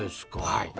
はい。